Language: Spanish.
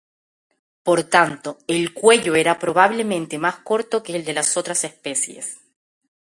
Por tanto, el cuello era probablemente más corto que el las otras especies.